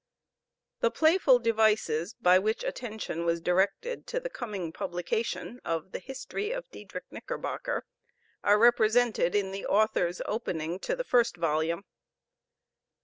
The playful devices by which attention was directed to the coming publication of the History of Diedrich Knickerbocker are represented in the author's opening to the first volume.